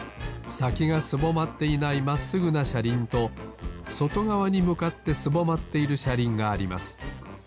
さきがすぼまっていないまっすぐなしゃりんとそとがわにむかってすぼまっているしゃりんがあります。